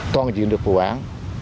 toàn diện được vụ án